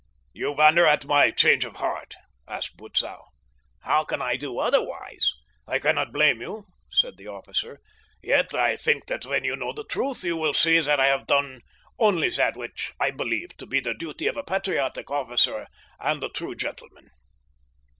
"You wonder at my change of heart?" asked Butzow. "How can I do otherwise?" "I cannot blame you," said the officer. "Yet I think that when you know the truth you will see that I have done only that which I believed to be the duty of a patriotic officer and a true gentleman."